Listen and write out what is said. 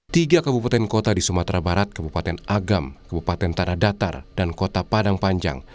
tiga kabupaten kota di sumatera barat kabupaten agam kabupaten tanah datar dan kota padang panjang